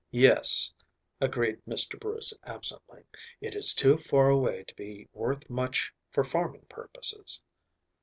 "Yes," agreed Mr. Bruce absently. "It is too far away to be worth much for farming purposes."